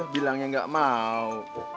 bilang yang gak mau